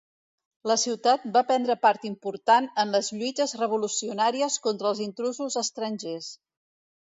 La ciutat va prendre part important en les lluites revolucionàries contra els intrusos estrangers.